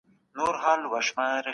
د ذمي حق ادا کول د دولت دنده ده.